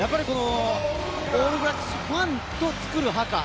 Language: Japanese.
オールブラックス、ファンと作るハカ。